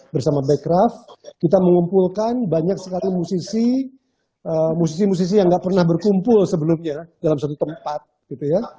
bersama becraf kita mengumpulkan banyak sekali musisi musisi yang gak pernah berkumpul sebelumnya dalam satu tempat gitu ya